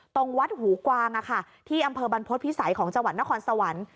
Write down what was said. ตรงวัดหูกวางที่อำเภอบรรพฤษภิษัยของจังหวัดนครสวรรค์